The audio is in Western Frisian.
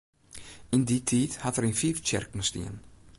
Yn dy tiid hat er yn fiif tsjerken stien.